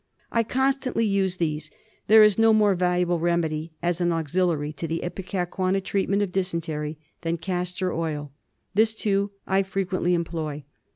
I constantly use these. There is no more valuable remedy as an auxiliary to the Ipecacuanha treatment of dysentery than castor oil ; this, too, I frequently employ.